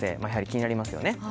やはり気になりますよね。